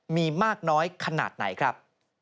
มีมากน้อยขนาดไหนครับ